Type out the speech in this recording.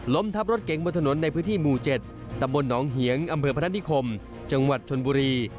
ทับรถเก๋งบนถนนในพื้นที่หมู่๗ตำบลหนองเหียงอำเภอพนัฐนิคมจังหวัดชนบุรี